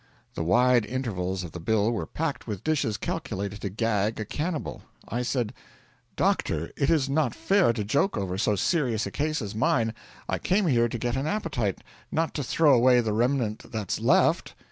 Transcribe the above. The wide intervals of the bill were packed with dishes calculated to gag a cannibal. I said: 'Doctor, it is not fair to joke over so serious a case as mine. I came here to get an appetite, not to throw away the remnant that's left.'